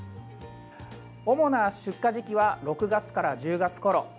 主な出荷時期は６月から１０月ごろ。